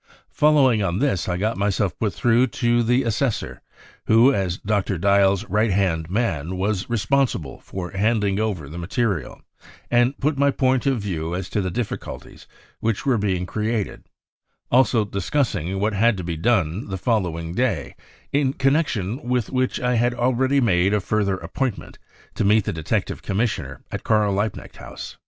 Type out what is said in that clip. Following on this I got myself put through to the assessor, who as Dr. Diehls' right hand man was responsible for handing over the material, and put my point of view as to the difficulties which were being created, also discussing what had to be done the follow ing day, in connection with which I had already made a further appointment to meet the Detective Commis sioner at Karl Liebknecht House.